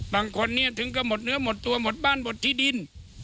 บางคนเนี่ยถึงก็หมดเนื้อหมดตัวหมดบ้านหมดที่ดิน